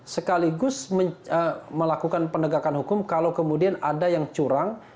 sekaligus melakukan penegakan hukum kalau kemudian ada yang curang